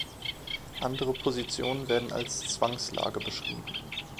Andere Positionen werden als Zwangslage beschrieben.